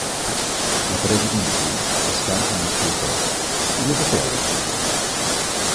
La presa d'impuls es fa amb un sol peu. I la de pèl?